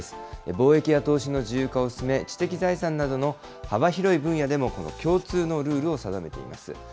貿易や投資の自由化を進め、知的財産などの幅広い分野でも共通のルールを定めています。